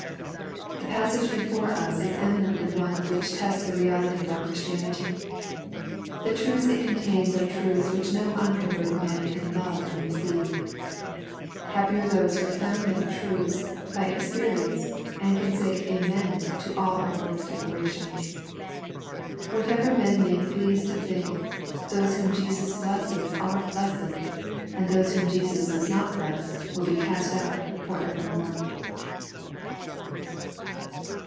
The passage before us is eminently one which tests the reality of our Christianity. The truths it contains, are truths which no unconverted man can love and receive. Happy are those who have found them truths by experience, and can say "amen" to all our Lord's declarations. Whatever men may please to think, those whom Jesus blesses are blessed, and those whom Jesus does not bless will be cast out for evermore.